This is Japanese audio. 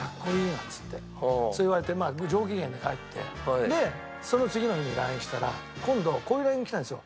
なんつってそう言われてまあ上機嫌で帰ってでその次の日にＬＩＮＥしたら今度こういうＬＩＮＥがきたんですよ。